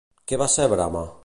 Què va ser Brama?